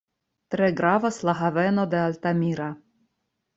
Tre gravas la haveno de Altamira.